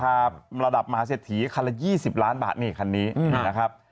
ระดับมหาเศรษฐีคันละ๒๐ล้านบาทนี่คันนี้นะครับ